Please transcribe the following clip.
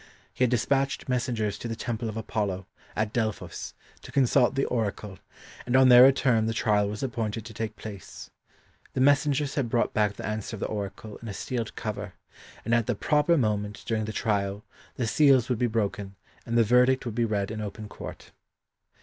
He had despatched messengers to the Temple of Apollo, at Delphos, to consult the Oracle, and on their return the trial was appointed to take place. The messengers had brought back the answer of the Oracle in a sealed cover, and at the proper moment during the trial the seals would be broken and the verdict would be read in open court.